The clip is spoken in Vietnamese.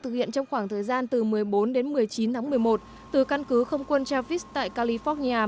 thực hiện trong khoảng thời gian từ một mươi bốn đến một mươi chín tháng một mươi một từ căn cứ không quân javis tại california